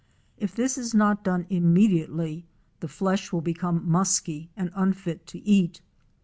If this is not done immediately, the flesh will become musky and unfit to eat.